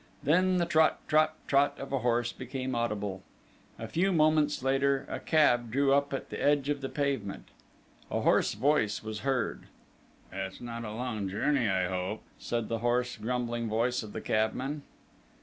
Then the trot trot trot of a horse became audible: a few moments later a cab drew up at the edge of the pavement. A hoarse voice was heard. "It's not a long journey, I hope!" said the hoarse, grumbling voice of the cabman.